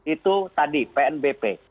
itu tadi pnbp